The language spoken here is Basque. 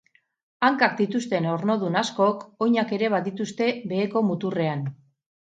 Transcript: Hankak dituzten ornodun askok, oinak ere badituzte beheko muturrean.